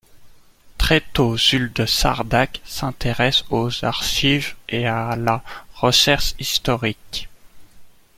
Très tôt, Jules de Sardac s’intéresse aux archives et à la recherche historique.